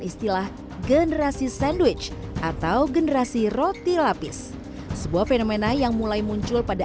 istilah generasi sandwich atau generasi roti lapis sebuah fenomena yang mulai muncul pada